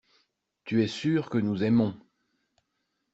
Tu es sûr que nous aimons.